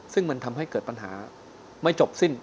ซึ่งมันทำให้เกิดปัญหาไม่จบสิ้น